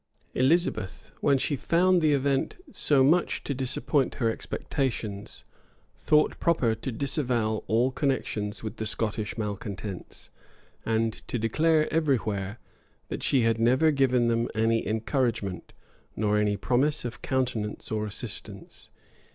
Elizabeth, when she found the event so much to disappoint her expectations, thought proper to disavow all connections with the Scottish malecontents, and to declare every where, that she had never given them any encouragement, nor any promise of countenance or assistance.